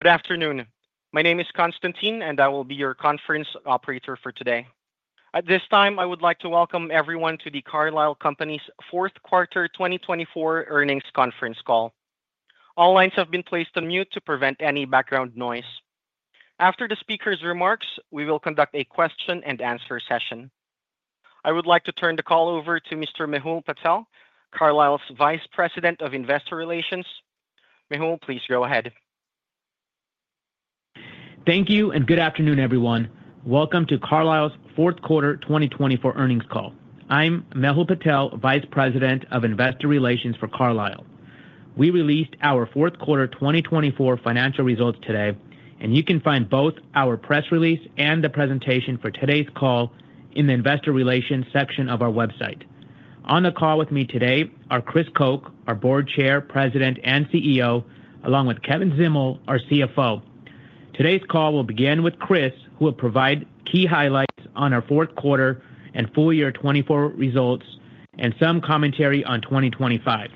Good afternoon. My name is Konstantin, and I will be your conference operator for today. At this time, I would like to welcome everyone to the Carlisle Companies' Q4 2024 Earnings Conference call. All lines have been placed on mute to prevent any background noise. After the speakers' remarks, we will conduct a question-and-answer session. I would like to turn the call over to Mr. Mehul Patel, Carlisle's Vice President of Investor Relations. Mehul, please go ahead. Thank you, and good afternoon, everyone. Welcome to Carlisle's Q4 2024 Earnings Call. I'm Mehul Patel, Vice President of Investor Relations for Carlisle. We released our Q4 2024 financial results today, and you can find both our press release and the presentation for today's call in the Investor Relations section of our website. On the call with me today are Chris Koch, our Board Chair, President, and CEO, along with Kevin Zdimal, our CFO. Today's call will begin with Chris, who will provide key highlights on our Q4 and full-year 2024 results, and some commentary on 2025.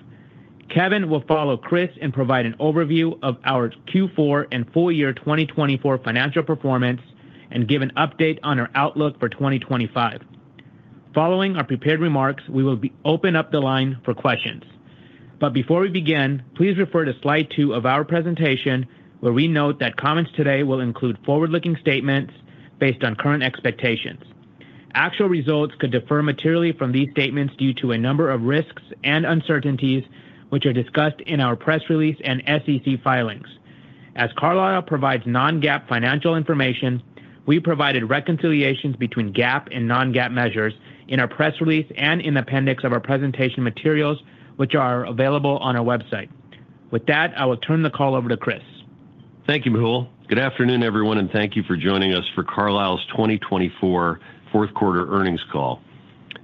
Kevin will follow Chris and provide an overview of our Q4 and full-year 2024 financial performance, and give an update on our outlook for 2025. Following our prepared remarks, we will open up the line for questions. But before we begin, please refer to Slide 2 of our presentation, where we note that comments today will include forward-looking statements based on current expectations. Actual results could differ materially from these statements due to a number of risks and uncertainties, which are discussed in our press release and SEC filings. As Carlisle provides non-GAAP financial information, we provided reconciliations between GAAP and non-GAAP measures in our press release and in the appendix of our presentation materials, which are available on our website. With that, I will turn the call over to Chris. Thank you, Mehul. Good afternoon, everyone, and thank you for joining us for Carlisle's 2024 Q4 Earnings Call.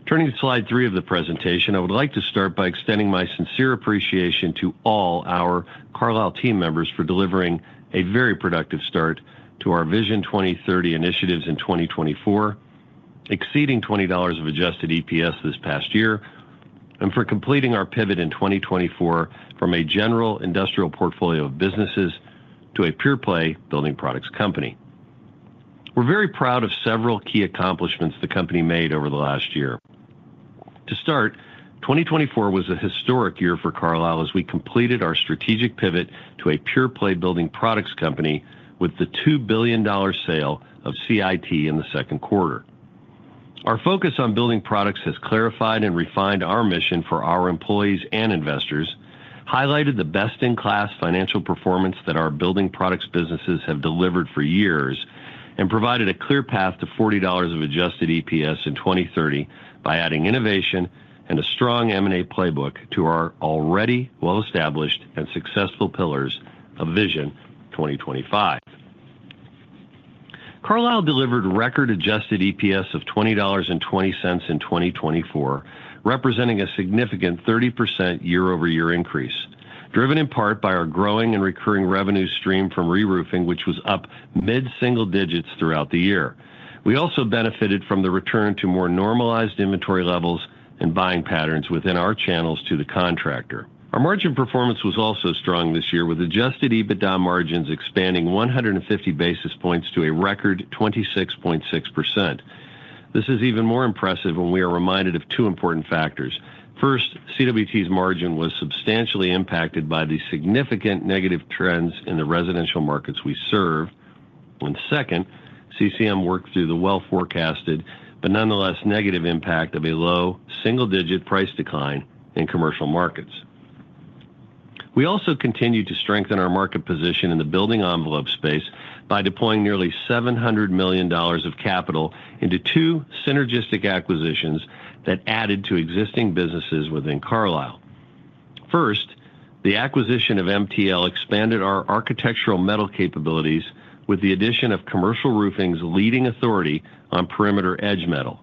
Turning to Slide 3 of the presentation, I would like to start by extending my sincere appreciation to all our Carlisle team members for delivering a very productive start to our Vision 2030 initiatives in 2024, exceeding $20 of adjusted EPS this past year, and for completing our pivot in 2024 from a general industrial portfolio of businesses to a pure-play building products company. We're very proud of several key accomplishments the company made over the last year. To start, 2024 was a historic year for Carlisle as we completed our strategic pivot to a pure-play building products company with the $2 billion sale of CIT in the Q2. Our focus on building products has clarified and refined our mission for our employees and investors, highlighted the best-in-class financial performance that our building products businesses have delivered for years, and provided a clear path to $40 of adjusted EPS in 2030 by adding innovation and a strong M&A playbook to our already well-established and successful pillars of Vision 2025. Carlisle delivered record adjusted EPS of $20.20 in 2024, representing a significant 30% year-over-year increase, driven in part by our growing and recurring revenue stream from reroofing, which was up mid-single digits throughout the year. We also benefited from the return to more normalized inventory levels and buying patterns within our channels to the contractor. Our margin performance was also strong this year, with adjusted EBITDA margins expanding 150 basis points to a record 26.6%. This is even more impressive when we are reminded of two important factors. First, CWT's margin was substantially impacted by the significant negative trends in the residential markets we serve, and second, CCM worked through the well-forecasted but nonetheless negative impact of a low single-digit price decline in commercial markets. We also continued to strengthen our market position in the building envelope space by deploying nearly $700 million of capital into two synergistic acquisitions that added to existing businesses within Carlisle. First, the acquisition of MTL expanded our architectural metal capabilities with the addition of Commercial Roofing's leading authority on perimeter edge metal.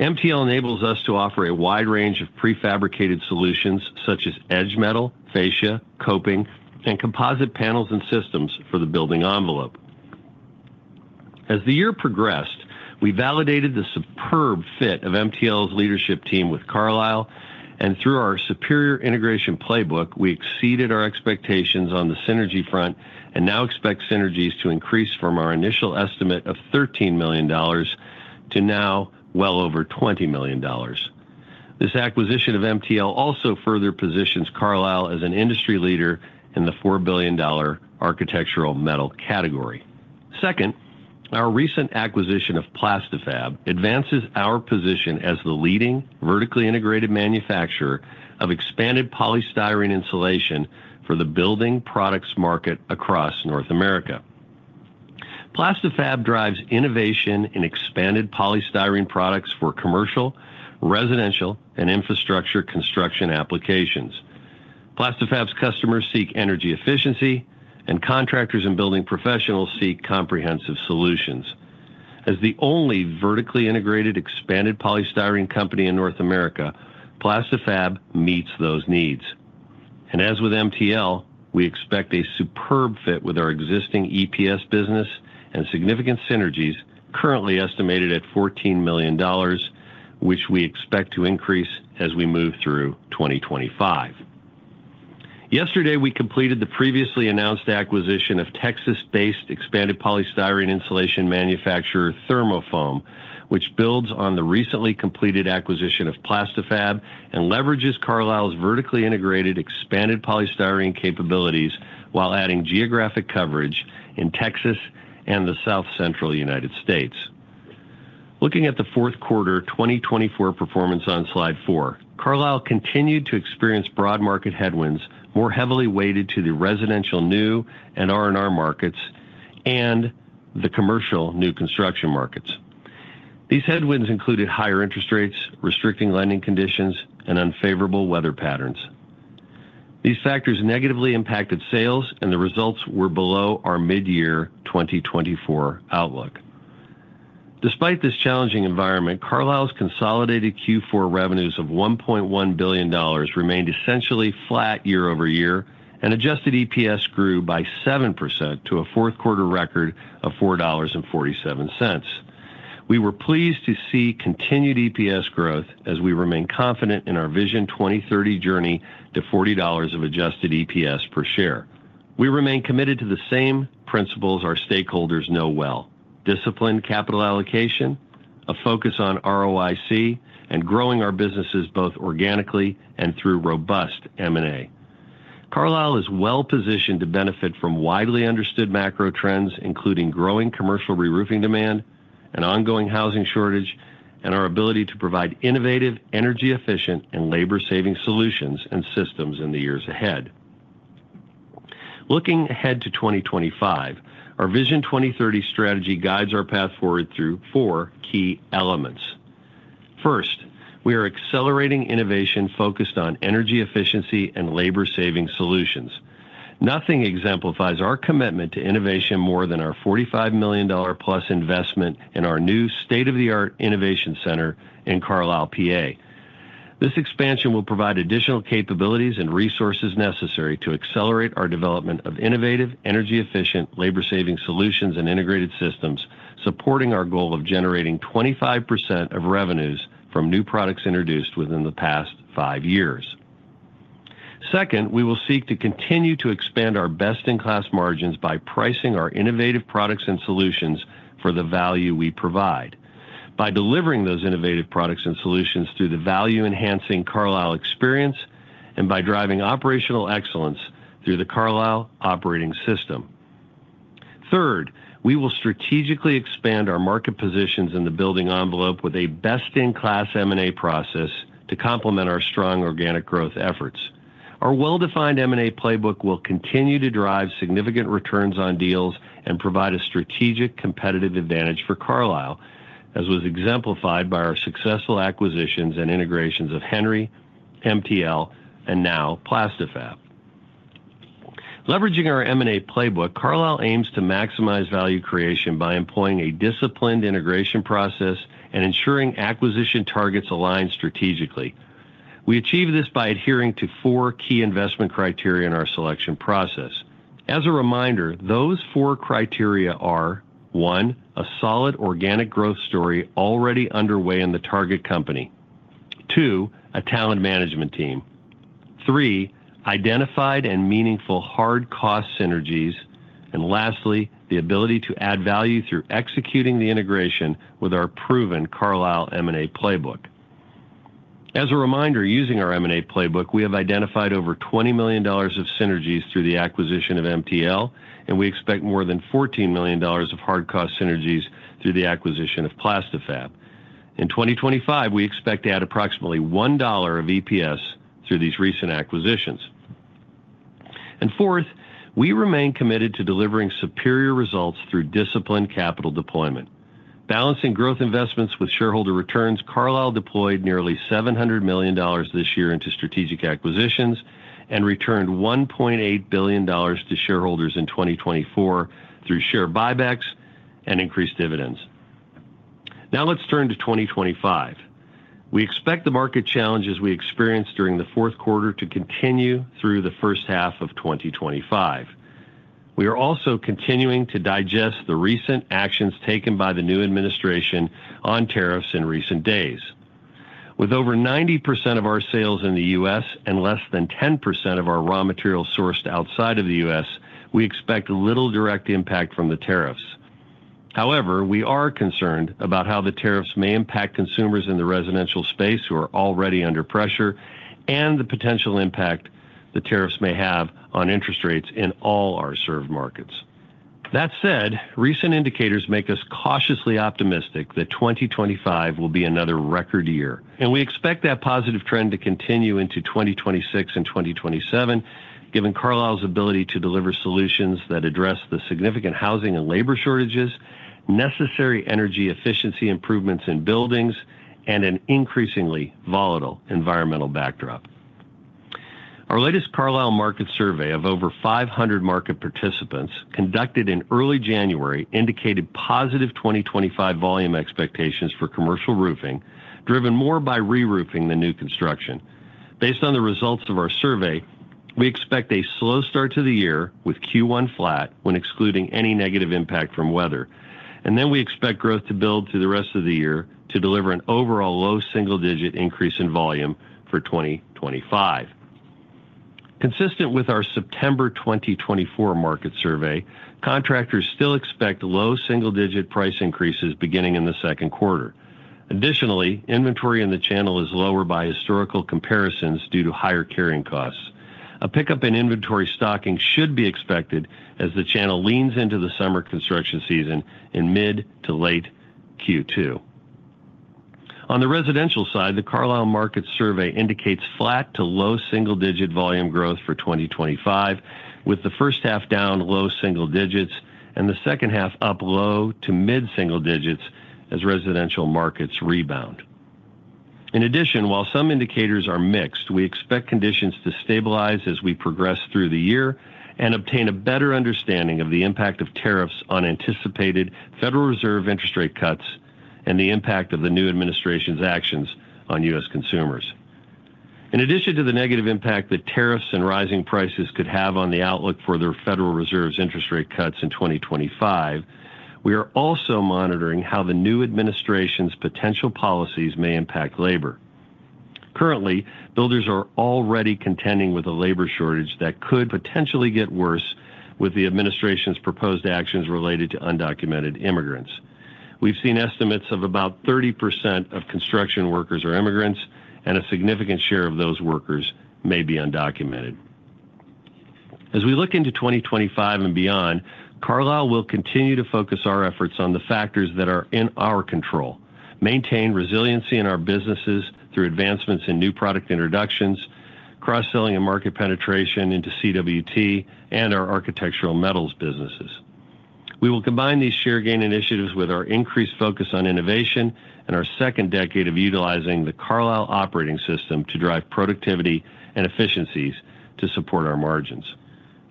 MTL enables us to offer a wide range of prefabricated solutions such as edge metal, fascia, coping, and composite panels and systems for the building envelope. As the year progressed, we validated the superb fit of MTL's leadership team with Carlisle, and through our superior integration playbook, we exceeded our expectations on the synergy front and now expect synergies to increase from our initial estimate of $13 million to now well over $20 million. This acquisition of MTL also further positions Carlisle as an industry leader in the $4 billion architectural metal category. Second, our recent acquisition of Plasti-Fab advances our position as the leading vertically integrated manufacturer of expanded polystyrene insulation for the building products market across North America. Plasti-Fab drives innovation in expanded polystyrene products for commercial, residential, and infrastructure construction applications. Plasti-Fab's customers seek energy efficiency, and contractors and building professionals seek comprehensive solutions. As the only vertically integrated expanded polystyrene company in North America, Plasti-Fab meets those needs. As with MTL, we expect a superb fit with our existing EPS business and significant synergies, currently estimated at $14 million, which we expect to increase as we move through 2025. Yesterday, we completed the previously announced acquisition of Texas-based expanded polystyrene insulation manufacturer ThermoFoam, which builds on the recently completed acquisition of Plasti-Fab and leverages Carlisle's vertically integrated expanded polystyrene capabilities while adding geographic coverage in Texas and the South Central United States. Looking at the Q4 2024 performance on Slide 4, Carlisle continued to experience broad market headwinds more heavily weighted to the residential new and R&R markets and the commercial new construction markets. These headwinds included higher interest rates, restrictive lending conditions, and unfavorable weather patterns. These factors negatively impacted sales, and the results were below our mid-year 2024 outlook. Despite this challenging environment, Carlisle's consolidated Q4 revenues of $1.1 billion remained essentially flat year-over-year, and adjusted EPS grew by 7% to a fourth-quarter record of $4.47. We were pleased to see continued EPS growth as we remain confident in our Vision 2030 journey to $40 of adjusted EPS per share. We remain committed to the same principles our stakeholders know well: disciplined capital allocation, a focus on ROIC, and growing our businesses both organically and through robust M&A. Carlisle is well-positioned to benefit from widely understood macro trends, including growing commercial reroofing demand, an ongoing housing shortage, and our ability to provide innovative, energy-efficient, and labor-saving solutions and systems in the years ahead. Looking ahead to 2025, our Vision 2030 strategy guides our path forward through four key elements. First, we are accelerating innovation focused on energy efficiency and labor-saving solutions. Nothing exemplifies our commitment to innovation more than our $45 million-plus investment in our new state-of-the-art innovation center in Carlisle, PA. This expansion will provide additional capabilities and resources necessary to accelerate our development of innovative, energy-efficient, labor-saving solutions and integrated systems, supporting our goal of generating 25% of revenues from new products introduced within the past five years. Second, we will seek to continue to expand our best-in-class margins by pricing our innovative products and solutions for the value we provide, by delivering those innovative products and solutions through the value-enhancing Carlisle Experience, and by driving operational excellence through the Carlisle Operating System. Third, we will strategically expand our market positions in the building envelope with a best-in-class M&A process to complement our strong organic growth efforts. Our well-defined M&A playbook will continue to drive significant returns on deals and provide a strategic competitive advantage for Carlisle, as was exemplified by our successful acquisitions and integrations of Henry, MTL, and now Plasti-Fab. Leveraging our M&A playbook, Carlisle aims to maximize value creation by employing a disciplined integration process and ensuring acquisition targets align strategically. We achieve this by adhering to four key investment criteria in our selection process. As a reminder, those four criteria are: one, a solid organic growth story already underway in the target company; two, a talent management team; three, identified and meaningful hard-cost synergies; and lastly, the ability to add value through executing the integration with our proven Carlisle M&A playbook. As a reminder, using our M&A playbook, we have identified over $20 million of synergies through the acquisition of MTL, and we expect more than $14 million of hard-cost synergies through the acquisition of Plasti-Fab. In 2025, we expect to add approximately $1 of EPS through these recent acquisitions. And fourth, we remain committed to delivering superior results through disciplined capital deployment. Balancing growth investments with shareholder returns, Carlisle deployed nearly $700 million this year into strategic acquisitions and returned $1.8 billion to shareholders in 2024 through share buybacks and increased dividends. Now let's turn to 2025. We expect the market challenges we experienced during the Q4 to continue through the first half of 2025. We are also continuing to digest the recent actions taken by the new administration on tariffs in recent days. With over 90% of our sales in the U.S. And less than 10% of our raw materials sourced outside of the U.S., we expect little direct impact from the tariffs. However, we are concerned about how the tariffs may impact consumers in the residential space who are already under pressure and the potential impact the tariffs may have on interest rates in all our served markets. That said, recent indicators make us cautiously optimistic that 2025 will be another record year, and we expect that positive trend to continue into 2026 and 2027, given Carlisle's ability to deliver solutions that address the significant housing and labor shortages, necessary energy efficiency improvements in buildings, and an increasingly volatile environmental backdrop. Our latest Carlisle market survey of over 500 market participants conducted in early January indicated positive 2025 volume expectations for commercial roofing, driven more by reroofing than new construction. Based on the results of our survey, we expect a slow start to the year with Q1 flat when excluding any negative impact from weather, and then we expect growth to build through the rest of the year to deliver an overall low single-digit increase in volume for 2025. Consistent with our September 2024 market survey, contractors still expect low single-digit price increases beginning in the Q2. Additionally, inventory in the channel is lower by historical comparisons due to higher carrying costs. A pickup in inventory stocking should be expected as the channel leans into the summer construction season in mid to late Q2. On the residential side, the Carlisle market survey indicates flat to low single-digit volume growth for 2025, with the first half down low single digits and the second half up low to mid single digits as residential markets rebound. In addition, while some indicators are mixed, we expect conditions to stabilize as we progress through the year and obtain a better understanding of the impact of tariffs on anticipated Federal Reserve interest rate cuts and the impact of the new administration's actions on U.S. consumers. In addition to the negative impact that tariffs and rising prices could have on the outlook for the Federal Reserve's interest rate cuts in 2025, we are also monitoring how the new administration's potential policies may impact labor. Currently, builders are already contending with a labor shortage that could potentially get worse with the administration's proposed actions related to undocumented immigrants. We've seen estimates of about 30% of construction workers are immigrants, and a significant share of those workers may be undocumented. As we look into 2025 and beyond, Carlisle will continue to focus our efforts on the factors that are in our control, maintain resiliency in our businesses through advancements in new product introductions, cross-selling, and market penetration into CWT and our architectural metals businesses. We will combine these share gain initiatives with our increased focus on innovation and our second decade of utilizing the Carlisle Operating System to drive productivity and efficiencies to support our margins.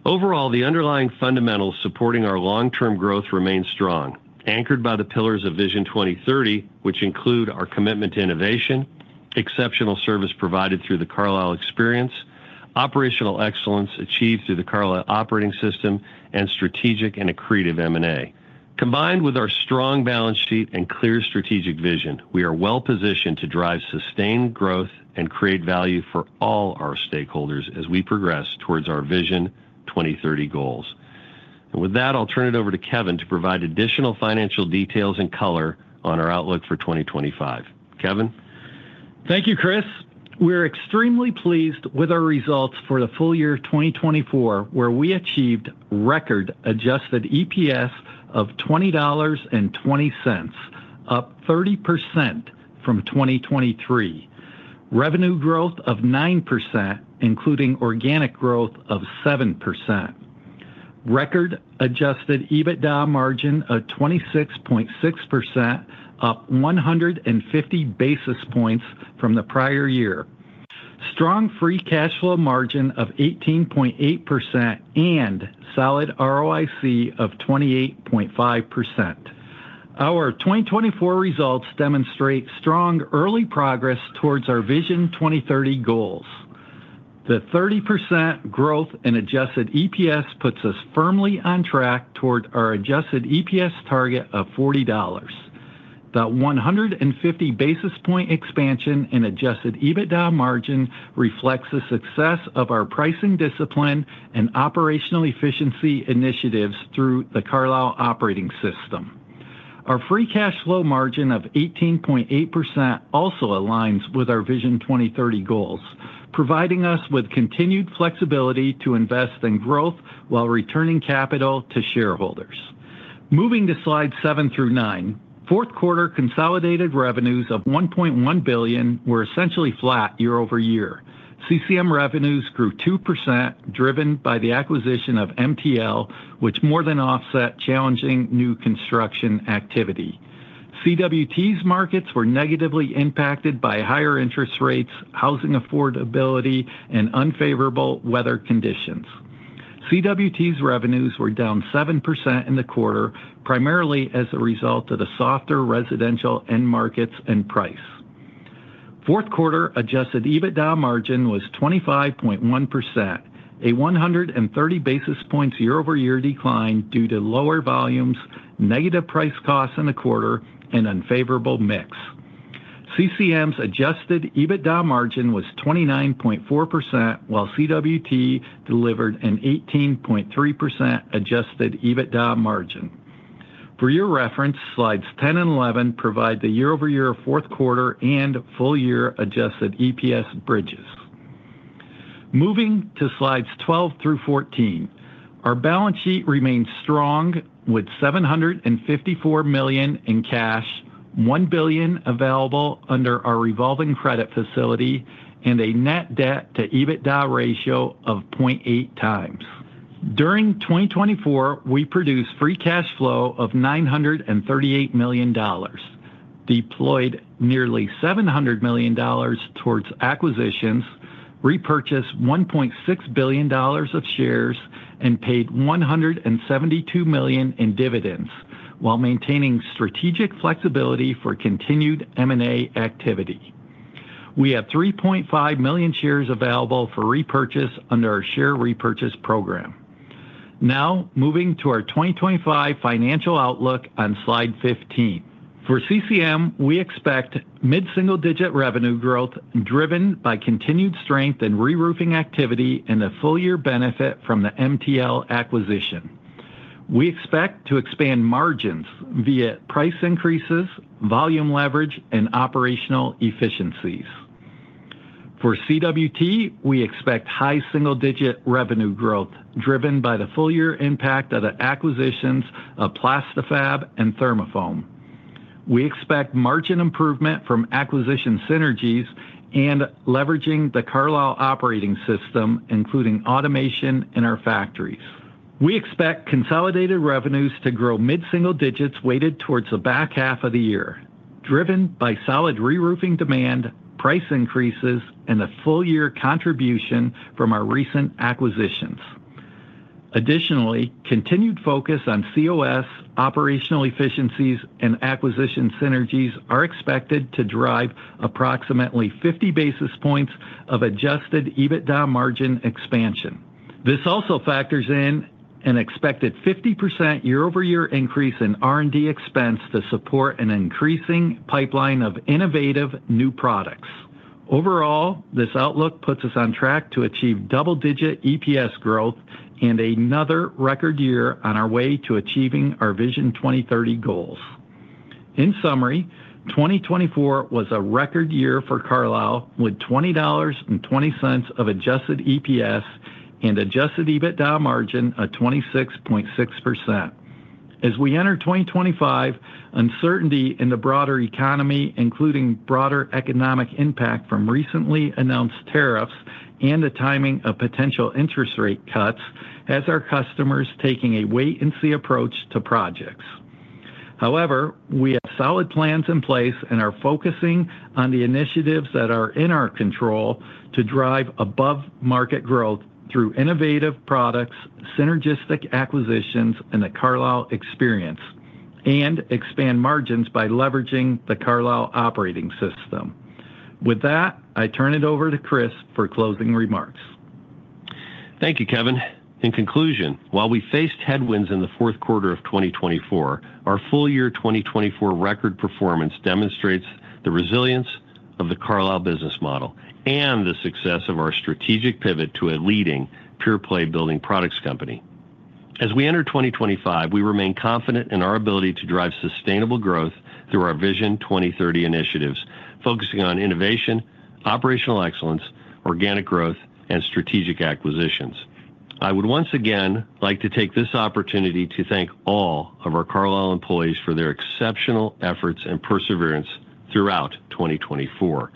Overall, the underlying fundamentals supporting our long-term growth remain strong, anchored by the pillars of Vision 2030, which include our commitment to innovation, exceptional service provided through the Carlisle Experience, operational excellence achieved through the Carlisle Operating System, and strategic and accretive M&A. Combined with our strong balance sheet and clear strategic vision, we are well-positioned to drive sustained growth and create value for all our stakeholders as we progress towards our Vision 2030 goals. And with that, I'll turn it over to Kevin to provide additional financial details and color on our outlook for 2025. Kevin. Thank you, Chris. We're extremely pleased with our results for the full year 2024, where we achieved record adjusted EPS of $20.20, up 30% from 2023, revenue growth of 9%, including organic growth of 7%, record adjusted EBITDA margin of 26.6%, up 150 basis points from the prior year, strong free cash flow margin of 18.8%, and solid ROIC of 28.5%. Our 2024 results demonstrate strong early progress towards our Vision 2030 goals. The 30% growth in adjusted EPS puts us firmly on track toward our adjusted EPS target of $40. That 150 basis points expansion in Adjusted EBITDA margin reflects the success of our pricing discipline and operational efficiency initiatives through the Carlisle operating system. Our free cash flow margin of 18.8% also aligns with our Vision 2030 goals, providing us with continued flexibility to invest in growth while returning capital to shareholders. Moving to slides 7 through 9, Q4 consolidated revenues of $1.1 billion were essentially flat year over year. CCM revenues grew 2%, driven by the acquisition of MTL, which more than offset challenging new construction activity. CWT's markets were negatively impacted by higher interest rates, housing affordability, and unfavorable weather conditions. CWT's revenues were down 7% in the quarter, primarily as a result of the softer residential end markets and price. Q4 adjusted EBITDA margin was 25.1%, a 130 basis points year-over-year decline due to lower volumes, negative price costs in the quarter, and unfavorable mix. CCM's adjusted EBITDA margin was 29.4%, while CWT delivered an 18.3% adjusted EBITDA margin. For your reference, slides 10 and 11 provide the year-over-year Q4 and full year adjusted EPS bridges. Moving to slides 12 through 14, our balance sheet remains strong with $754 million in cash, $1 billion available under our revolving credit facility, and a net debt-to-EBITDA ratio of 0.8 times. During 2024, we produced free cash flow of $938 million, deployed nearly $700 million towards acquisitions, repurchased $1.6 billion of shares, and paid $172 million in dividends, while maintaining strategic flexibility for continued M&A activity. We have 3.5 million shares available for repurchase under our share repurchase program. Now moving to our 2025 financial outlook on slide 15. For CCM, we expect mid-single-digit revenue growth driven by continued strength in reroofing activity and a full-year benefit from the MTL acquisition. We expect to expand margins via price increases, volume leverage, and operational efficiencies. For CWT, we expect high single-digit revenue growth driven by the full-year impact of the acquisitions of Plasti-Fab and ThermoFoam. We expect margin improvement from acquisition synergies and leveraging the Carlisle Operating System, including automation in our factories. We expect consolidated revenues to grow mid-single digits weighted towards the back half of the year, driven by solid reroofing demand, price increases, and a full-year contribution from our recent acquisitions. Additionally, continued focus on COS, operational efficiencies, and acquisition synergies are expected to drive approximately 50 basis points of Adjusted EBITDA margin expansion. This also factors in an expected 50% year-over-year increase in R&D expense to support an increasing pipeline of innovative new products. Overall, this outlook puts us on track to achieve double-digit EPS growth and another record year on our way to achieving our Vision 2030 goals. In summary, 2024 was a record year for Carlisle with $20.20 of adjusted EPS and adjusted EBITDA margin of 26.6%. As we enter 2025, uncertainty in the broader economy, including broader economic impact from recently announced tariffs and the timing of potential interest rate cuts, has our customers taking a wait-and-see approach to projects. However, we have solid plans in place and are focusing on the initiatives that are in our control to drive above-market growth through innovative products, synergistic acquisitions in the Carlisle Experience, and expand margins by leveraging the Carlisle Operating System. With that, I turn it over to Chris for closing remarks. Thank you, Kevin. In conclusion, while we faced headwinds in the Q4 of 2024, our full year 2024 record performance demonstrates the resilience of the Carlisle business model and the success of our strategic pivot to a leading pure-play building products company. As we enter 2025, we remain confident in our ability to drive sustainable growth through our Vision 2030 initiatives, focusing on innovation, operational excellence, organic growth, and strategic acquisitions. I would once again like to take this opportunity to thank all of our Carlisle employees for their exceptional efforts and perseverance throughout 2024.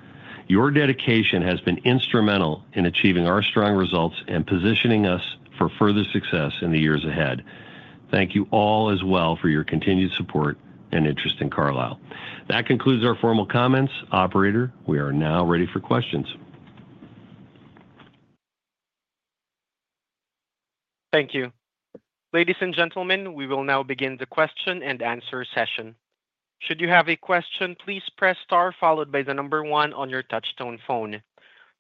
Your dedication has been instrumental in achieving our strong results and positioning us for further success in the years ahead. Thank you all as well for your continued support and interest in Carlisle. That concludes our formal comments. Operator, we are now ready for questions. Thank you. Ladies and gentlemen, we will now begin the question and answer session. Should you have a question, please press star followed by the number one on your touch-tone phone.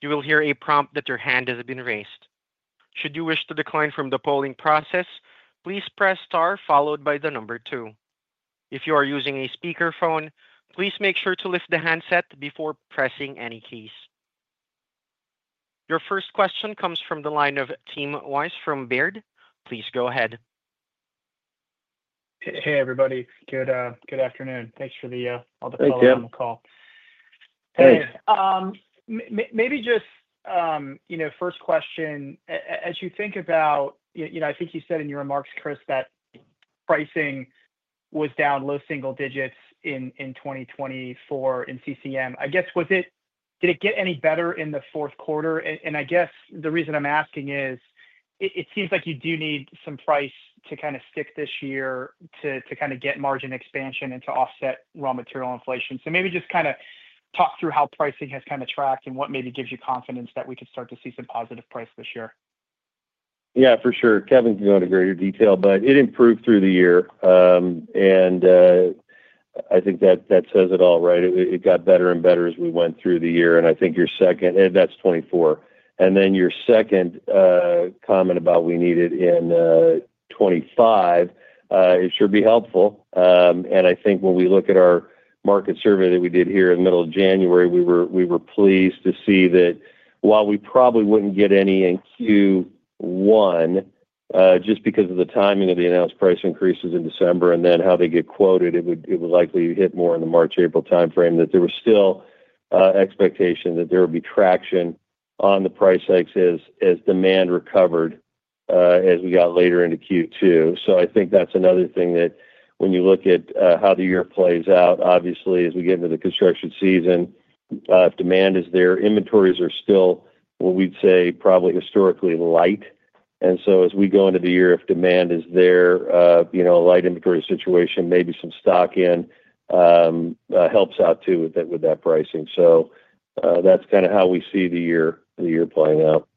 You will hear a prompt that your hand has been raised. Should you wish to decline fromthe polling process, please press star followed by the number two. If you are using a speakerphone, please make sure to lift the handset before pressing any keys. Your first question comes from the line of Tim Wojs from Baird. Please go ahead. Hey, everybody. Good afternoon. Thanks for the call. Thank you. Hey. Maybe just first question, as you think about I think you said in your remarks, Chris, that pricing was down low single digits in 2024 in CCM. I guess, did it get any better in the Q4?And I guess the reason I'm asking is it seems like you do need some price to kind of stick this year to kind of get margin expansion and to offset raw material inflation. So maybe just kind of talk through how pricing has kind of tracked and what maybe gives you confidence that we could start to see some positive price this year. Yeah, for sure. Kevin can go into greater detail, but it improved through the year. And I think that says it all, right? It got better and better as we went through the year. And I think your second, that's 2024. And then your second comment about we need it in 2025 should be helpful. I think when we look at our market survey that we did here in the middle of January, we were pleased to see that while we probably wouldn't get any in Q1 just because of the timing of the announced price increases in December and then how they get quoted, it would likely hit more in the March-April timeframe, that there was still expectation that there would be traction on the price hikes as demand recovered as we got later into Q2. I think that's another thing that when you look at how the year plays out, obviously, as we get into the construction season, if demand is there, inventories are still, what we'd say, probably historically light. And so as we go into the year, if demand is there, a light inventory situation, maybe some stock in helps out too with that pricing. So that's kind of how we see the year playing out.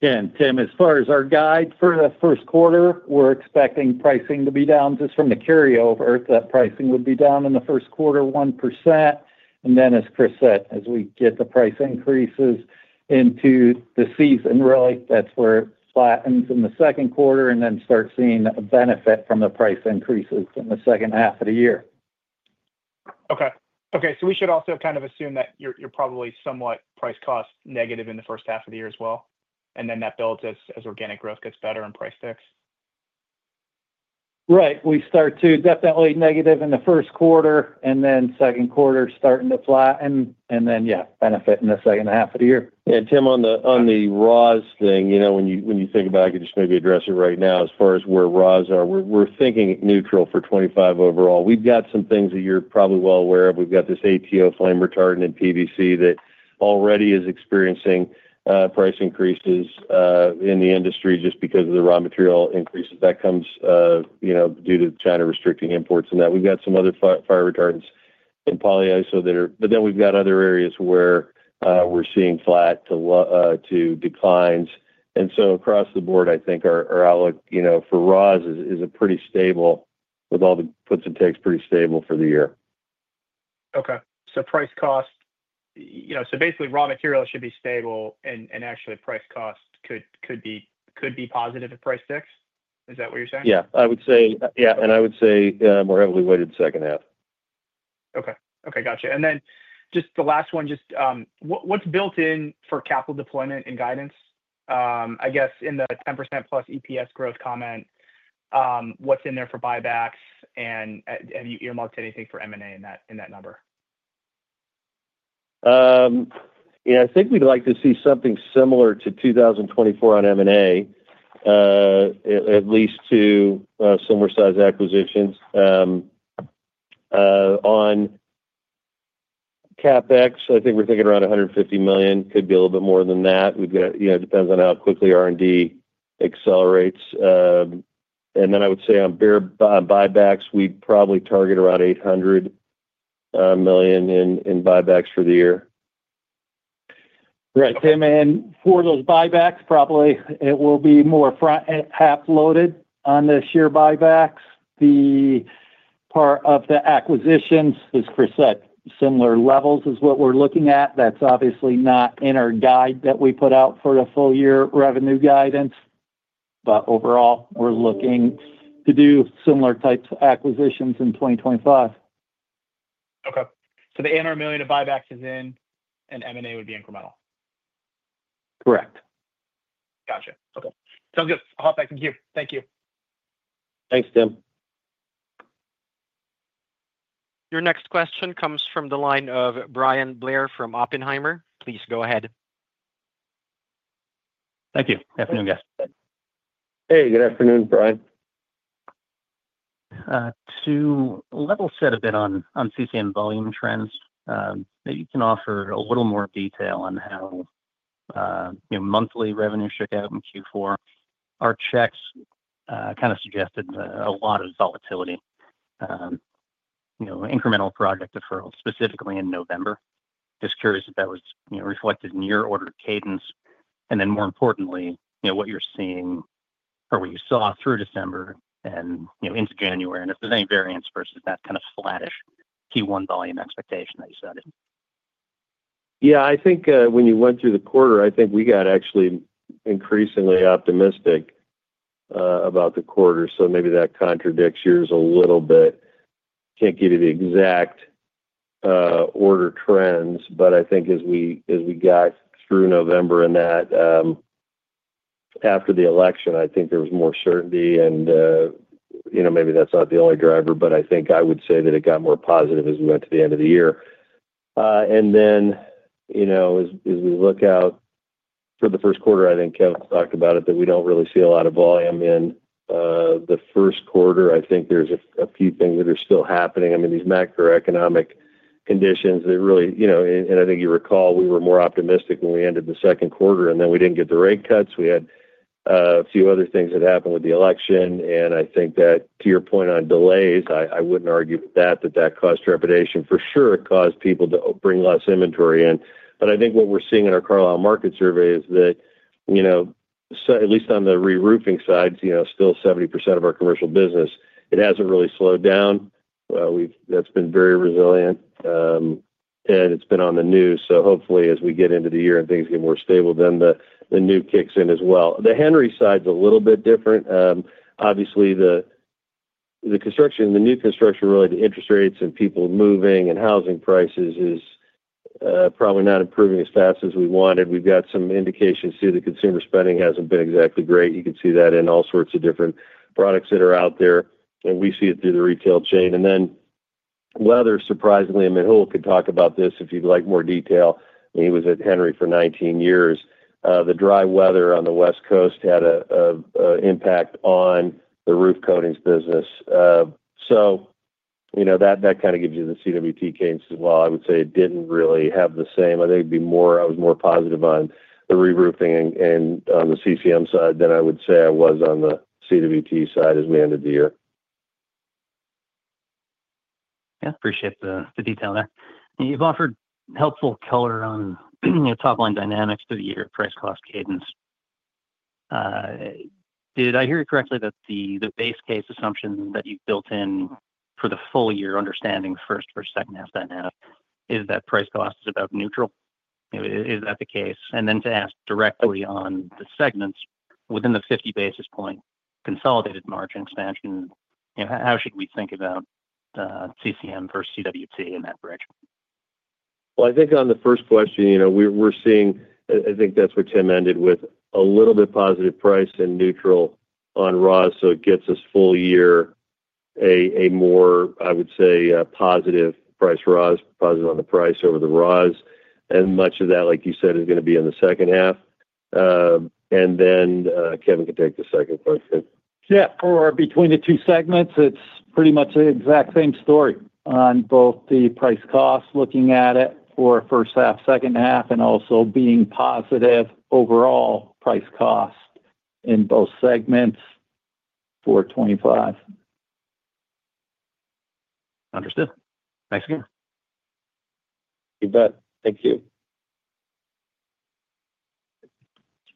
Yeah. And Tim, as far as our guide for the Q1, we're expecting pricing to be down just from the carryover. That pricing would be down in the Q1 1%. And then, as Chris said, as we get the price increases into the season, really, that's where it flattens in the Q2 and then starts seeing a benefit from the price increases in the second half of the year. Okay. Okay. So we should also kind of assume that you're probably somewhat price-cost negative in the first half of the year as well. And then that builds as organic growth gets better and price stacks. Right. We start to definitely negative in the first quarter and then Q2 starting to flatten and then, yeah, benefit in the second half of the year. Yeah. Tim, on the ROS thing, when you think about it, I could just maybe address it right now as far as where ROS are. We're thinking neutral for 2025 overall. We've got some things that you're probably well aware of. We've got this ATO flame retardant in PVC that already is experiencing price increases in the industry just because of the raw material increases. That comes due to China restricting imports and that. We've got some other fire retardants in polyiso that are, but then we've got other areas where we're seeing flat declines, and so across the board, I think our outlook for ROS is pretty stable with all the puts and takes pretty stable for the year. Okay, so price-cost, so basically, raw material should be stable and actually price-cost could be positive at price stacks. Is that what you're saying? Yeah. I would say, yeah. And I would say more heavily weighted second half. Okay. Okay. Gotcha. And then just the last one, just what's built in for capital deployment and guidance? I guess in the 10% plus EPS growth comment, what's in there for buybacks? And have you earmarked anything for M&A in that number? Yeah. I think we'd like to see something similar to 2024 on M&A, at least to similar size acquisitions. On CapEx, I think we're thinking around $150 million. Could be a little bit more than that. It depends on how quickly R&D accelerates. And then I would say on buybacks, we'd probably target around $800 million in buybacks for the year. Right. Tim, and for those buybacks, probably it will be more front-half loaded on the share buybacks. The part of the acquisitions, as Chris said, similar levels is what we're looking at. That's obviously not in our guide that we put out for the full-year revenue guidance. But overall, we're looking to do similar types of acquisitions in 2025. Okay. So the $100 million of buybacks is in and M&A would be incremental. Correct. Gotcha. Okay. Sounds good. I'll hop back in here. Thank you. Thanks, Tim. Your next question comes from the line of Bryan Blair from Oppenheimer. Please go ahead. Thank you. Good afternoon, guys. Hey. Good afternoon, Bryan. To level set a bit on CCM volume trends, maybe you can offer a little more detail on how monthly revenue shook out in Q4. Our checks kind of suggested a lot of volatility, incremental project deferrals, specifically in November. Just curious if that was reflected in your order cadence. And then, more importantly, what you're seeing or what you saw through December and into January, and if there's any variance versus that kind of flatish Q1 volume expectation that you said. Yeah. I think when you went through the quarter, I think we got actually increasingly optimistic about the quarter. So maybe that contradicts yours a little bit. Can't give you the exact order trends, but I think as we got through November and that after the election, I think there was more certainty. And maybe that's not the only driver, but I think I would say that it got more positive as we went to the end of the year. And then as we look out for the first quarter, I think Kevin talked about it, that we don't really see a lot of volume in the first quarter. I think there's a few things that are still happening. I mean, these macroeconomic conditions that really, and I think you recall we were more optimistic when we ended the Q2, and then we didn't get the rate cuts. We had a few other things that happened with the election. And I think that to your point on delays, I wouldn't argue with that, that that caused trepidation. For sure, it caused people to bring less inventory in. But I think what we're seeing in our Carlisle market survey is that, at least on the reroofing side, still 70% of our commercial business, it hasn't really slowed down. That's been very resilient. And it's been on the news. So hopefully, as we get into the year and things get more stable, then the new kicks in as well. The Henry side's a little bit different. Obviously, the construction, the new construction related to interest rates and people moving and housing prices is probably not improving as fast as we wanted. We've got some indications too that consumer spending hasn't been exactly great. You could see that in all sorts of different products that are out there. And we see it through the retail chain. And then weather, surprisingly, and Mitchell could talk about this if you'd like more detail. He was at Henry for 19 years. The dry weather on the West Coast had an impact on the roof coatings business. So that kind of gives you the CWT cadence as well. I would say it didn't really have the same. I think it'd be more I was more positive on the reroofing and on the CCM side than I would say I was on the CWT side as we ended the year. Yeah. Appreciate the detail there. You've offered helpful color on top-line dynamics through the year, price-cost cadence. Did I hear you correctly that the base case assumption that you've built in for the full year, understanding first- or second-half dynamic, is that price-cost is about neutral? Is that the case? And then to ask directly on the segments, within the 50 basis points consolidated margin expansion, how should we think about CCM versus CWT in that bridge? Well, I think on the first question, we're seeing, I think that's what Tim ended with, a little bit positive price and neutral on ROS. So it gets us full year, a more, I would say, positive price ROS, positive on the price over the ROS. And much of that, like you said, is going to be in the second half. And then Kevin can take the second question. Yeah. For between the two segments, it's pretty much the exact same story on both the price-cost, looking at it for first half, second half, and also being positive overall price-cost in both segments for 2025. Understood. Thanks again. You bet. Thank you.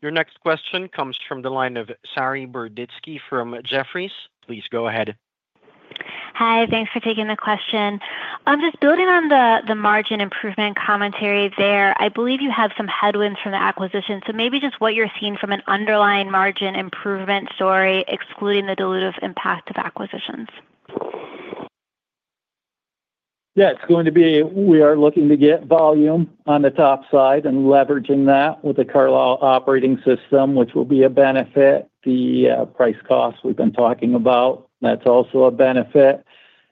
Your next question comes from the line of Saree Boroditsky from Jefferies. Please go ahead. Hi. Thanks for taking the question. Just building on the margin improvement commentary there, I believe you have some headwinds from the acquisition. So maybe just what you're seeing from an underlying margin improvement story, excluding the dilutive impact of acquisitions. Yeah. It's going to be we are looking to get volume on the top side and leveraging that with the Carlisle Operating System, which will be a benefit. The price-cost we've been talking about, that's also a benefit.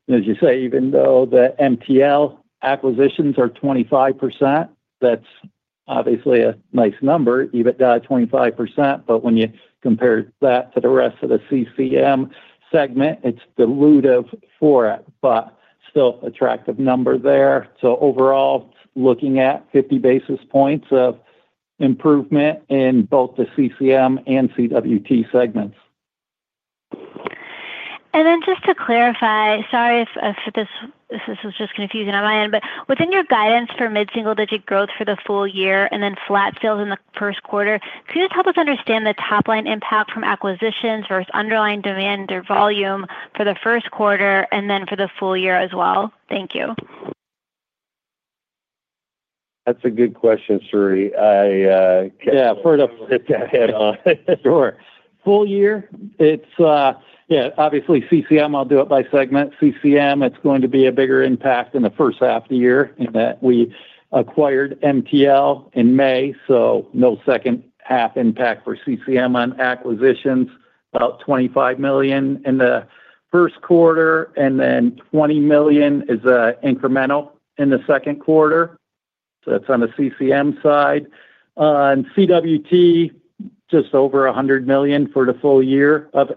And as you say, even though the MTL acquisitions are 25%, that's obviously a nice number, even at 25%. But when you compare that to the rest of the CCM segment, it's dilutive for it, but still attractive number there. So overall, looking at 50 basis points of improvement in both the CCM and CWT segments. And then just to clarify, sorry if this was just confusing on my end, but within your guidance for mid-single-digit growth for the full year and then flat sales in the first quarter, could you help us understand the top-line impact from acquisitions versus underlying demand or volume for the first quarter and then for the full year as well? Thank you. That's a good question, Sari. Yeah. I've heard it head-on. Sure. Full year, it's yeah, obviously CCM, I'll do it by segment. CCM, it's going to be a bigger impact in the first half of the year in that we acquired MTL in May. So no second-half impact for CCM on acquisitions, about $25 million in the first quarter, and then $20 million is incremental in the Q2. So that's on the CCM side. On CWT, just over $100 million for the full year of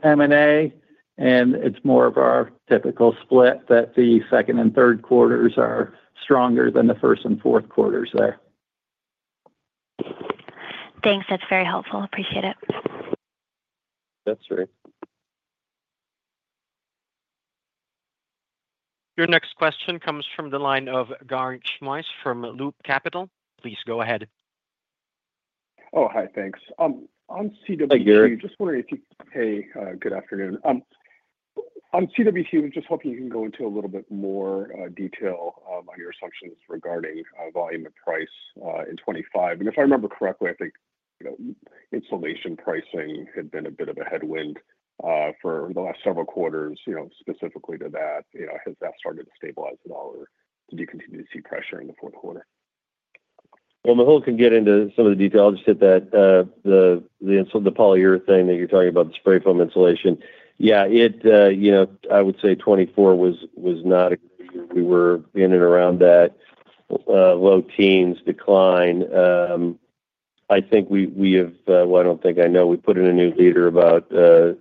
M&A. And it's more of our typical split that the second and Q3s are stronger than the first and Q4s there. Thanks. That's very helpful. Appreciate it. That's right. Your next question comes from the line of Garik Shmois from Loop Capital. Please go ahead. Oh, hi. Thanks. Hey, good afternoon. On CWT, I was just hoping you can go into a little bit more detail on your assumptions regarding volume and price in 2025. And if I remember correctly, I think insulation pricing had been a bit of a headwind for the last several quarters, specifically to that. Has that started to stabilize at all, or did you continue to see pressure in the Q4? Well, Mitchell can get into some of the detail. I'll just hit that. The polyurethane that you're talking about, the spray foam insulation, yeah, I would say 2024 was not a good year. We were in and around that low-teens decline. I think we have. Well, I don't think I know. We put in a new leader about a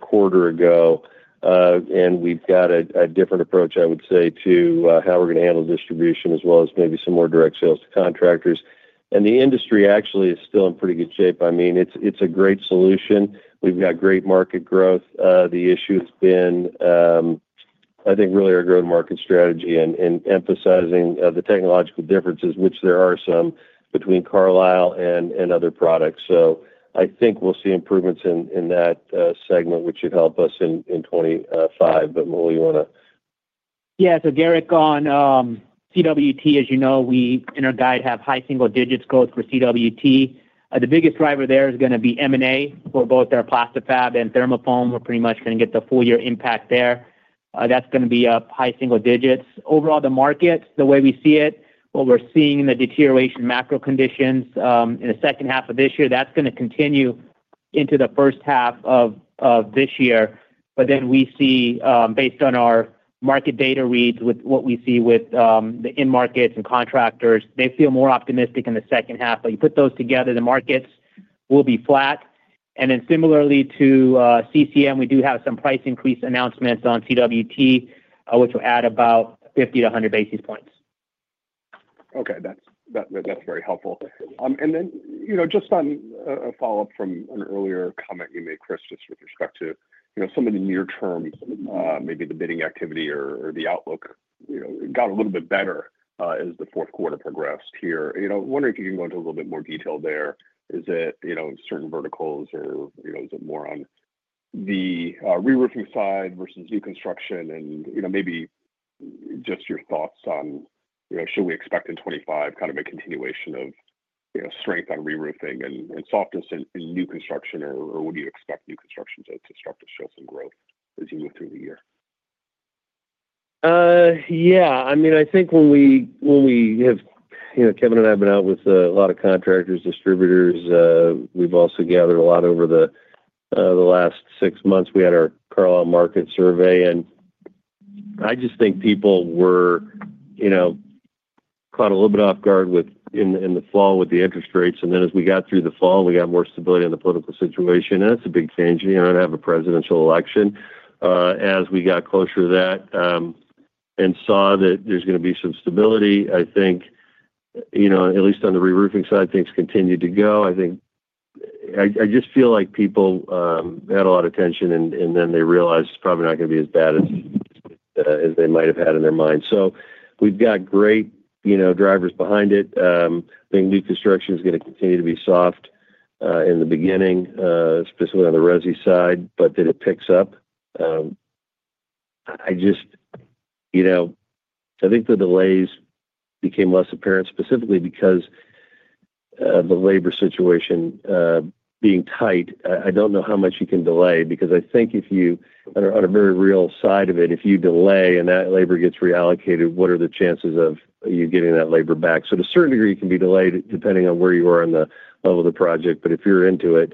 quarter ago. And we've got a different approach, I would say, to how we're going to handle distribution as well as maybe some more direct sales to contractors. And the industry actually is still in pretty good shape. I mean, it's a great solution. We've got great market growth. The issue has been, I think, really our growth market strategy and emphasizing the technological differences, which there are some, between Carlisle and other products. So I think we'll see improvements in that segment, which should help us in 2025. So Garik, on CWT, as you know, we, in our guide, have high single-digits growth for CWT. The biggest driver there is going to be M&A for both our Plasti-Fab and ThermoFoam. We're pretty much going to get the full-year impact there. That's going to be up, high single digits. Overall, the market, the way we see it, what we're seeing in the deteriorating macro conditions in the second half of this year, that's going to continue into the first half of this year. But then we see, based on our market data reads, what we see with the in-markets and contractors. They feel more optimistic in the second half. But you put those together, the markets will be flat. And then similarly to CCM, we do have some price increase announcements on CWT, which will add about 50-100 basis points. Okay. That's very helpful. And then just on a follow-up from an earlier comment you made, Chris, just with respect to some of the near-term, maybe the bidding activity or the outlook got a little bit better as the Q4 progressed here. I'm wondering if you can go into a little bit more detail there. Is it certain verticals, or is it more on the reroofing side versus new construction? And maybe just your thoughts on, should we expect in 2025 kind of a continuation of strength on reroofing and softness in new construction, or would you expect new construction to start to show some growth as you move through the year? Yeah. I mean, I think when we have, Kevin and I have been out with a lot of contractors, distributors. We've also gathered a lot over the last six months. We had our Carlisle market survey. And I just think people were caught a little bit off guard in the fall with the interest rates. And then as we got through the fall, we got more stability in the political situation. And that's a big change. And I have a presidential election. As we got closer to that and saw that there's going to be some stability, I think, at least on the reroofing side, things continued to go. I just feel like people had a lot of tension, and then they realized it's probably not going to be as bad as they might have had in their mind. So we've got great drivers behind it. I think new construction is going to continue to be soft in the beginning, specifically on the resi side, but then it picks up. I think the delays became less apparent, specifically because of the labor situation being tight. I don't know how much you can delay because I think if you, on a very real side of it, if you delay and that labor gets reallocated, what are the chances of you getting that labor back? So to a certain degree, it can be delayed depending on where you are on the level of the project. But if you're into it,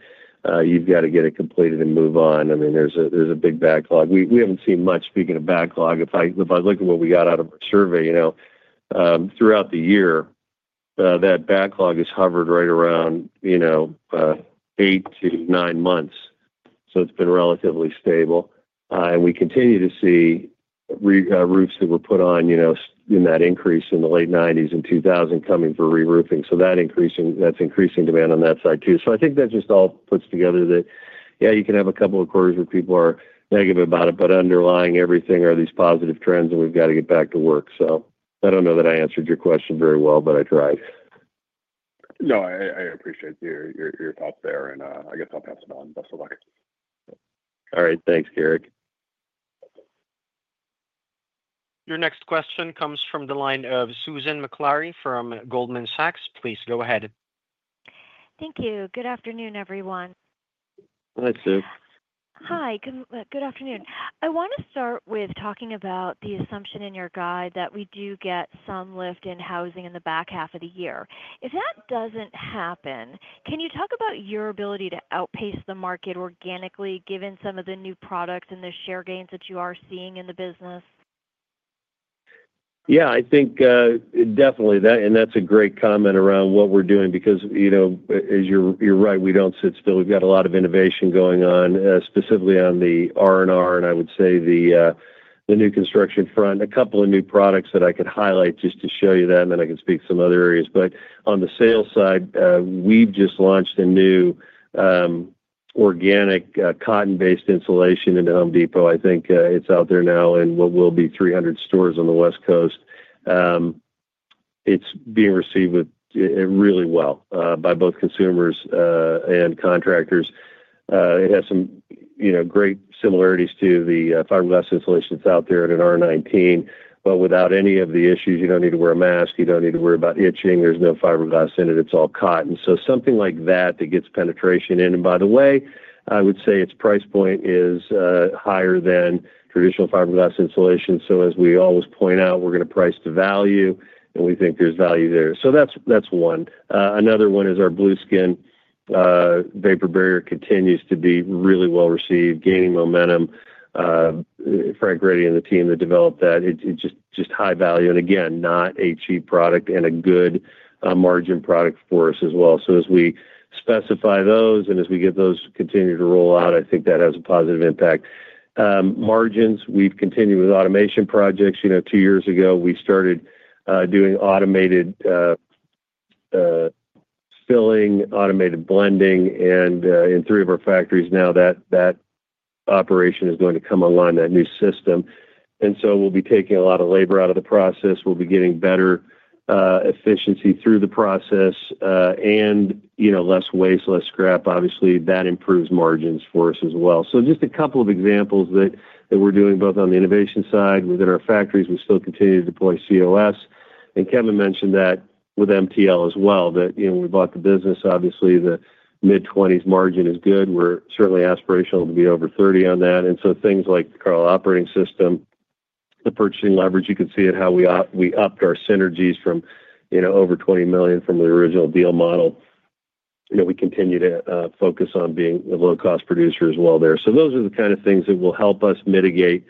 you've got to get it completed and move on. I mean, there's a big backlog. We haven't seen much speaking of backlog. If I look at what we got out of our survey, throughout the year, that backlog has hovered right around eight-to-nine months. So it's been relatively stable. And we continue to see roofs that were put on in that increase in the late 1990s and 2000 coming for reroofing. So that's increasing demand on that side too. So I think that just all puts together that, yeah, you can have a couple of quarters where people are negative about it, but underlying everything are these positive trends, and we've got to get back to work. So I don't know that I answered your question very well, but I tried. No, I appreciate your thoughts there. And I guess I'll pass it on. Best of luck. All right. Thanks, Garik. Your next question comes from the line of Susan Maklari from Goldman Sachs. Please go ahead. Thank you. Good afternoon, everyone. Hi, Sue. Hi. Good afternoon. I want to start with talking about the assumption in your guide that we do get some lift in housing in the back half of the year. If that doesn't happen, can you talk about your ability to outpace the market organically, given some of the new products and the share gains that you are seeing in the business? Yeah. I think definitely that. And that's a great comment around what we're doing because, as you're right, we don't sit still. We've got a lot of innovation going on, specifically on the R&R and I would say the new construction front. A couple of new products that I could highlight just to show you that, and then I can speak to some other areas. But on the sales side, we've just launched a new organic cotton-based insulation into Home Depot. I think it's out there now in what will be 300 stores on the West Coast. It's being received really well by both consumers and contractors. It has some great similarities to the fiberglass insulation that's out there in an R19, but without any of the issues. You don't need to wear a mask. You don't need to worry about itching. There's no fiberglass in it. It's all cotton. So something like that that gets penetration in. And by the way, I would say its price point is higher than traditional fiberglass insulation. So as we always point out, we're going to price to value, and we think there's value there. So that's one. Another one is our Blueskin Vapor Barrier continues to be really well received, gaining momentum. Frank Grady and the team that developed that, it's just high value. And again, not a cheap product and a good margin product for us as well. So as we specify those and as we get those continued to roll out, I think that has a positive impact. Margins, we've continued with automation projects. Two years ago, we started doing automated filling, automated blending, and in three of our factories now, that operation is going to come online, that new system. And so we'll be taking a lot of labor out of the process. We'll be getting better efficiency through the process and less waste, less scrap. Obviously, that improves margins for us as well. So just a couple of examples that we're doing both on the innovation side within our factories. We still continue to deploy COS. And Kevin mentioned that with MTL as well, that we bought the business. Obviously, the mid-20s margin is good. We're certainly aspirational to be over 30 on that. And so things like the Carlisle Operating System, the purchasing leverage, you can see it how we upped our synergies from over $20 million from the original deal model. We continue to focus on being a low-cost producer as well there. So those are the kind of things that will help us mitigate,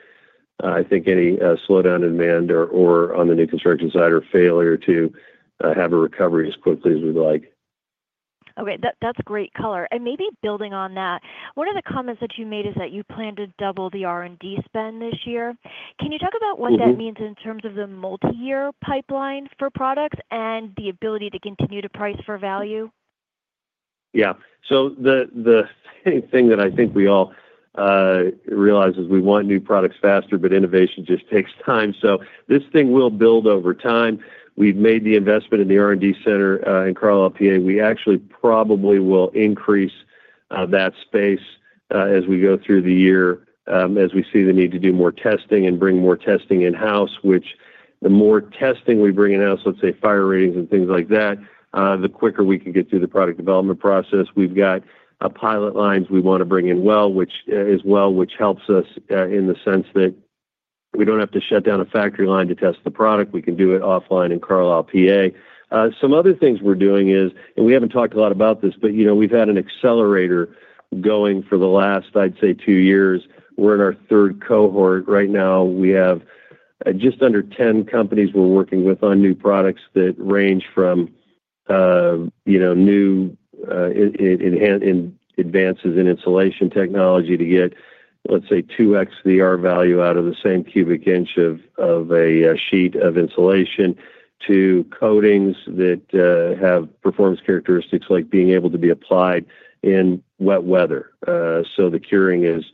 I think, any slowdown in demand or on the new construction side or failure to have a recovery as quickly as we'd like. Okay. That's great color. And maybe building on that, one of the comments that you made is that you plan to double the R&D spend this year. Can you talk about what that means in terms of the multi-year pipeline for products and the ability to continue to price for value? Yeah. So the thing that I think we all realize is we want new products faster, but innovation just takes time. So this thing will build over time. We've made the investment in the R&D center in Carlisle, PA. We actually probably will increase that space as we go through the year as we see the need to do more testing and bring more testing in-house, which the more testing we bring in-house, let's say fire ratings and things like that, the quicker we can get through the product development process. We've got pilot lines we want to bring online, which helps us in the sense that we don't have to shut down a factory line to test the product. We can do it offline in Carlisle, PA. Some other things we're doing is, and we haven't talked a lot about this, but we've had an accelerator going for the last, I'd say, two years. We're in our third cohort right now. We have just under 10 companies we're working with on new products that range from new advances in insulation technology to get, let's say, 2x the R-Value out of the same cubic inch of a sheet of insulation to coatings that have performance characteristics like being able to be applied in wet weather. So the curing is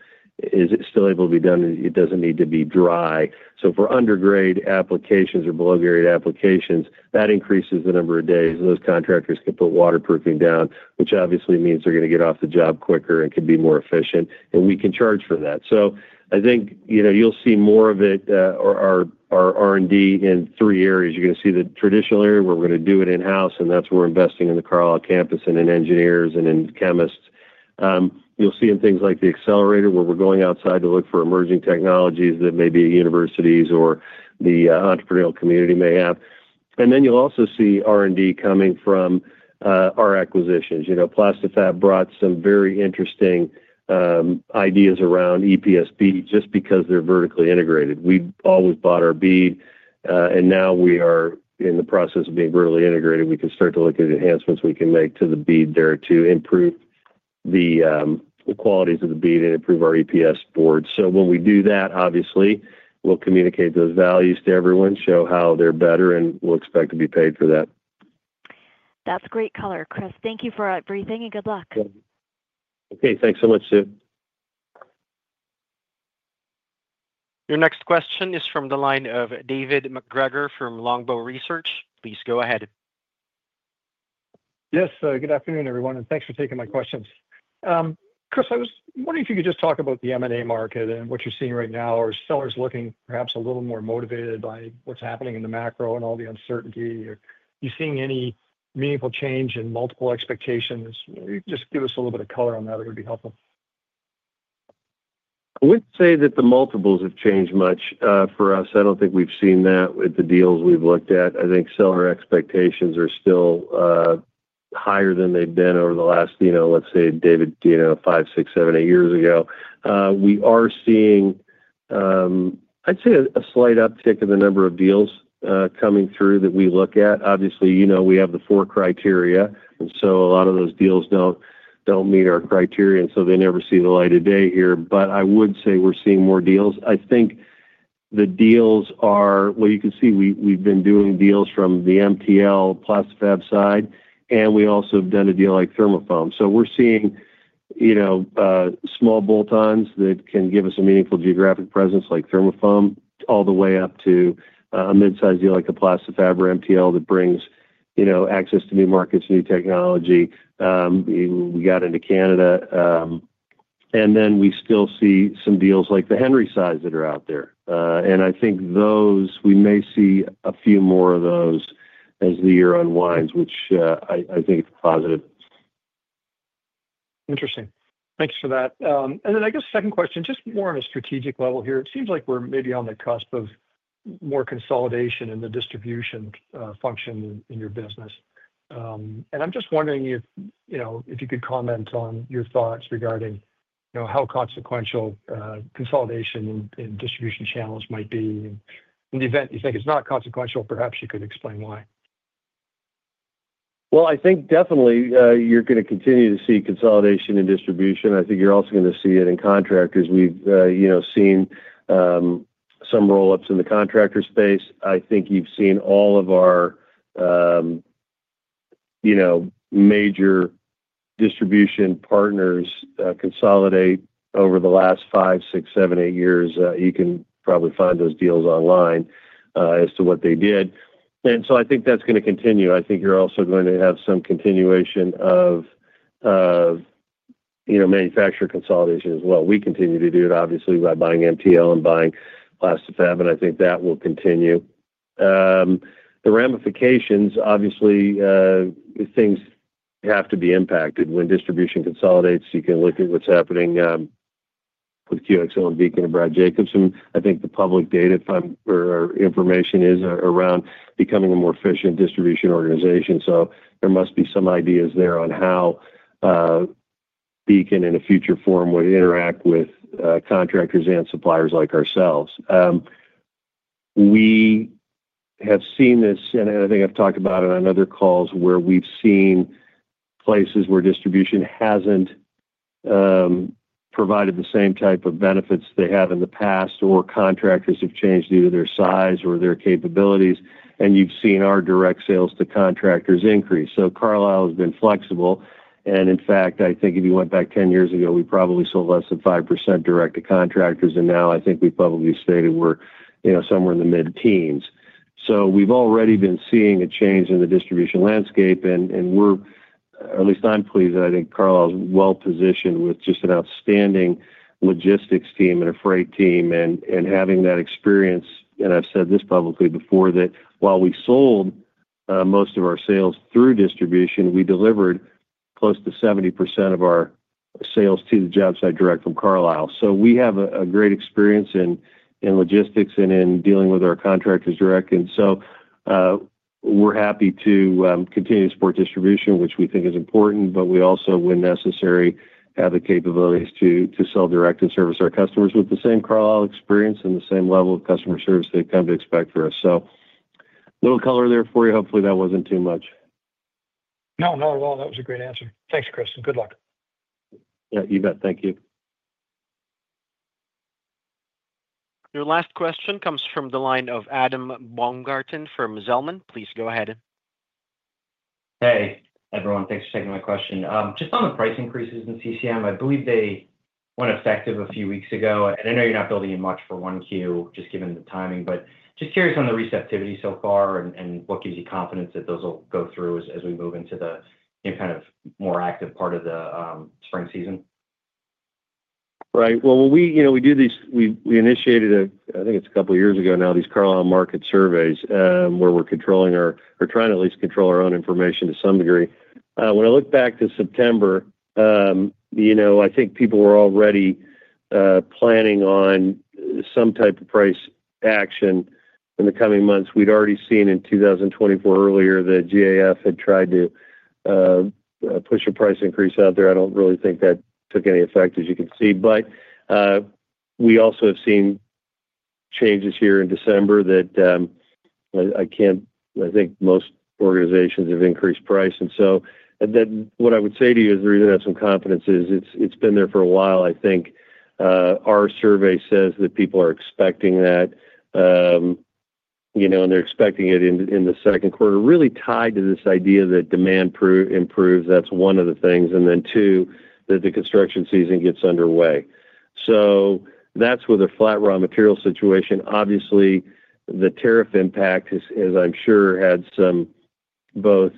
still able to be done. It doesn't need to be dry. So for underground applications or below-grade applications, that increases the number of days those contractors can put waterproofing down, which obviously means they're going to get off the job quicker and can be more efficient. And we can charge for that. So I think you'll see more of it, our R&D in three areas. You're going to see the traditional area where we're going to do it in-house, and that's where we're investing in the Carlisle campus and in engineers and in chemists. You'll see in things like the accelerator where we're going outside to look for emerging technologies that maybe universities or the entrepreneurial community may have. And then you'll also see R&D coming from our acquisitions. Plasti-Fab brought some very interesting ideas around EPS bead just because they're vertically integrated. We've always bought our bead, and now we are in the process of being vertically integrated. We can start to look at enhancements we can make to the bead there to improve the qualities of the bead and improve our EPS boards. So when we do that, obviously, we'll communicate those values to everyone, show how they're better, and we'll expect to be paid for that. That's great color. Chris, thank you for everything and good luck. Okay. Thanks so much, Sue. Your next question is from the line of David MacGregor from Longbow Research. Please go ahead. Yes. Good afternoon, everyone. And thanks for taking my questions. Chris, I was wondering if you could just talk about the M&A market and what you're seeing right now. Are sellers looking perhaps a little more motivated by what's happening in the macro and all the uncertainty? Are you seeing any meaningful change in multiple expectations? Just give us a little bit of color on that. It would be helpful. I wouldn't say that the multiples have changed much for us. I don't think we've seen that with the deals we've looked at. I think seller expectations are still higher than they've been over the last, let's say, David, five, six, seven, eight years ago. We are seeing, I'd say, a slight uptick in the number of deals coming through that we look at. Obviously, we have the four criteria. And so a lot of those deals don't meet our criteria, and so they never see the light of day here. But I would say we're seeing more deals. I think the deals are well, you can see we've been doing deals from the MTL, Plasti-Fab side, and we also have done a deal like ThermoFoam. So we're seeing small bolt-ons that can give us a meaningful geographic presence like ThermoFoam all the way up to a mid-size deal like a Plasti-Fab or MTL that brings access to new markets, new technology. We got into Canada. And then we still see some deals like the Henry size that are out there. And I think we may see a few more of those as the year unwinds, which I think is positive. Interesting. Thanks for that. And then I guess second question, just more on a strategic level here. It seems like we're maybe on the cusp of more consolidation in the distribution function in your business. And I'm just wondering if you could comment on your thoughts regarding how consequential consolidation in distribution channels might be. In the event you think it's not consequential, perhaps you could explain why. Well, I think definitely you're going to continue to see consolidation in distribution. I think you're also going to see it in contractors. We've seen some roll-ups in the contractor space. I think you've seen all of our major distribution partners consolidate over the last five, six, seven, eight years. You can probably find those deals online as to what they did, and so I think that's going to continue. I think you're also going to have some continuation of manufacturer consolidation as well. We continue to do it, obviously, by buying MTL and buying Plasti-Fab, and I think that will continue. The ramifications, obviously, things have to be impacted. When distribution consolidates, you can look at what's happening with QXO and Beacon and Brad Jacobs. I think the public data or information is around becoming a more efficient distribution organization, so there must be some ideas there on how Beacon in a future form would interact with contractors and suppliers like ourselves. We have seen this, and I think I've talked about it on other calls where we've seen places where distribution hasn't provided the same type of benefits they have in the past or contractors have changed due to their size or their capabilities, and you've seen our direct sales to contractors increase, so Carlisle has been flexible. And in fact, I think if you went back 10 years ago, we probably sold less than 5% direct to contractors, and now I think we probably stated we're somewhere in the mid-teens, so we've already been seeing a change in the distribution landscape, and we're, or at least I'm pleased that I think Carlisle is well-positioned with just an outstanding logistics team and a freight team and having that experience. And I've said this publicly before that while we sold most of our sales through distribution, we delivered close to 70% of our sales to the job site direct from Carlisle. So we have a great experience in logistics and in dealing with our contractors direct. And so we're happy to continue to support distribution, which we think is important, but we also, when necessary, have the capabilities to sell direct and service our customers with the same Carlisle experience and the same level of customer service they've come to expect for us. So little color there for you. Hopefully, that wasn't too much. No, not at all. That was a great answer. Thanks, Chris. And good luck. Yeah, you bet. Thank you. Your last question comes from the line of Adam Baumgarten from Zelman. Please go ahead. Hey, everyone. Thanks for taking my question. Just on the price increases in CCM, I believe they went effective a few weeks ago. And I know you're not building in much for Q1 just given the timing, but just curious on the receptivity so far and what gives you confidence that those will go through as we move into the kind of more active part of the spring season. Right. Well, we initiated, I think it's a couple of years ago now, these Carlisle market surveys where we're controlling or trying to at least control our own information to some degree. When I look back to September, I think people were already planning on some type of price action in the coming months. We'd already seen in 2024 earlier that GAF had tried to push a price increase out there. I don't really think that took any effect, as you can see. But we also have seen changes here in December that I think most organizations have increased price. And so what I would say to you is the reason I have some confidence is it's been there for a while. I think our survey says that people are expecting that, and they're expecting it in the Q2, really tied to this idea that demand improves. That's one of the things. And then two, that the construction season gets underway. So that's with a flat raw material situation. Obviously, the tariff impact, as I'm sure, had some both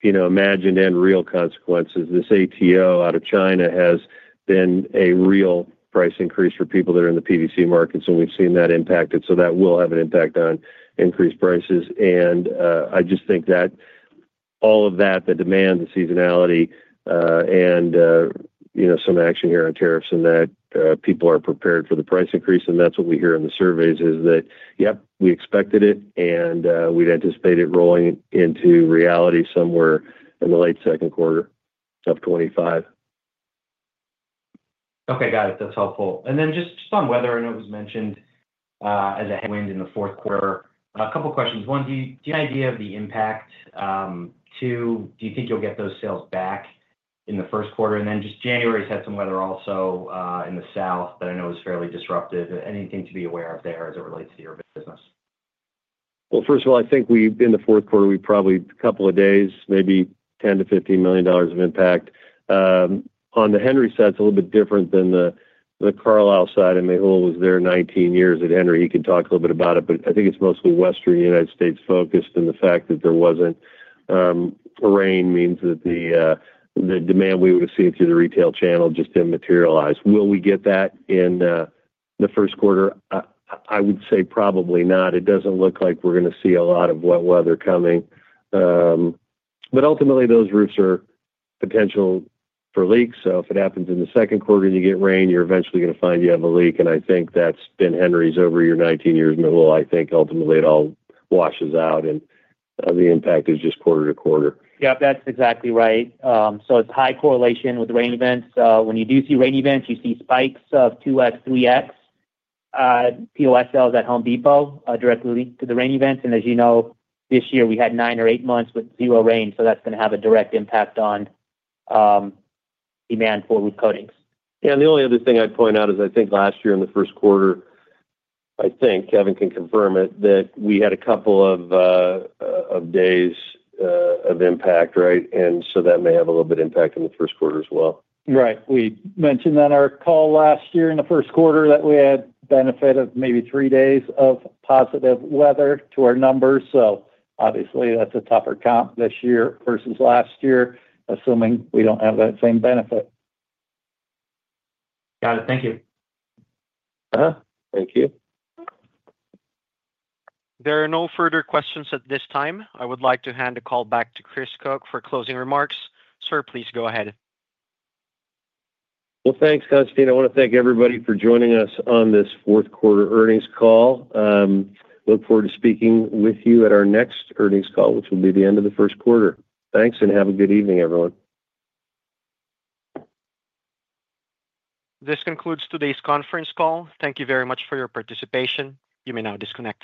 imagined and real consequences. This ATO out of China has been a real price increase for people that are in the PVC markets. And we've seen that impact. And so that will have an impact on increased prices. I just think that all of that, the demand, the seasonality, and some action here on tariffs and that people are prepared for the price increase. And that's what we hear in the surveys is that, yep, we expected it, and we'd anticipate it rolling into reality somewhere in the late Q2 of 2025. Okay. Got it. That's helpful. And then just on weather, I know it was mentioned as a wind in the Q4. A couple of questions. One, do you have an idea of the impact? Two, do you think you'll get those sales back in the first quarter? And then just January's had some weather also in the South that I know was fairly disruptive. Anything to be aware of there as it relates to your business? First of all, I think in the Q4, we probably a couple of days, maybe $10 million-$15 million of impact. On the Henry side, it's a little bit different than the Carlisle side. Mehul was there 19 years at Henry. He can talk a little bit about it, but I think it's mostly western United States focused in the fact that there wasn't rain means that the demand we would have seen through the retail channel just didn't materialize. Will we get that in the first quarter? I would say probably not. It doesn't look like we're going to see a lot of wet weather coming. But ultimately, those roofs are potential for leaks. So if it happens in the Q2 and you get rain, you're eventually going to find you have a leak. I think that's been Henry's over your 19 years. Mehul, I think ultimately it all washes out, and the impact is just quarter to quarter. Yep. That's exactly right. So it's high correlation with rain events. When you do see rain events, you see spikes of 2x, 3x POS sales at Home Depot directly to the rain events. And as you know, this year we had nine or eight months with zero rain. So that's going to have a direct impact on demand for roof coatings. Yeah. The only other thing I'd point out is I think last year in the first quarter, I think Kevin can confirm it, that we had a couple of days of impact, right? And so that may have a little bit of impact in the first quarter as well. Right. We mentioned on our call last year in the first quarter that we had benefit of maybe three days of positive weather to our numbers. So obviously, that's a tougher comp this year versus last year, assuming we don't have that same benefit. Got it. Thank you. Thank you. There are no further questions at this time. I would like to hand the call back to Chris Koch for closing remarks. Sir, please go ahead. Well, thanks, Konstantin. I want to thank everybody for joining us on this Q4 earnings call. Look forward to speaking with you at our next earnings call, which will be the end of the first quarter. Thanks, and have a good evening, everyone. This concludes today's conference call. Thank you very much for your participation. You may now disconnect.